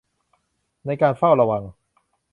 ในการเฝ้าระวัง